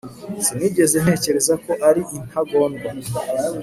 Sinigeze ntekereza ko ari intagondwa